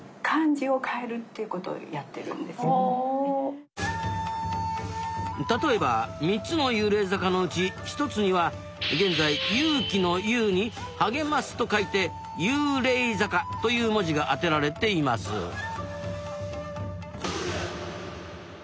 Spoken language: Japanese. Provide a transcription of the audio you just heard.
昔そのなので例えば３つの幽霊坂のうち１つには現在勇気の勇に励ますと書いて「勇励坂」という文字があてられていますすごいね。